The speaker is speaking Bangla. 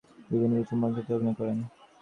তিনি বিভিন্ন মঞ্চনাটকে অভিনয় করেন।